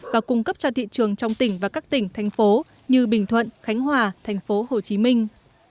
và cung cấp cho thị trường trong tỉnh và các tỉnh thành phố như bình thuận khánh hòa thành phố hồ chí minh